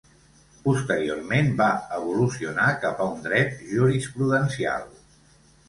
Posteriorment va evolucionar cap a un dret jurisprudencial.